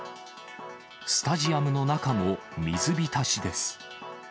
スタジアムの中も水浸しです。